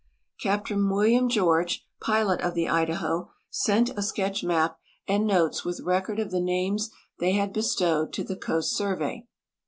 Cai)tain Mblliam George, pilot of the Idaho, sent a sketch maj) and notes, with record of the names they had bestowed, to the Coast Survey.